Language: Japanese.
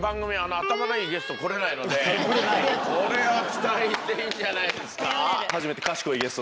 これは期待していいんじゃないですか？